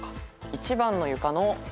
１番の床の。